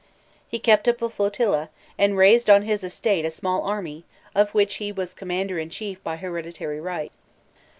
He kept up a flotilla, and raised on his estate a small army, of which he was commander in chief by hereditary right.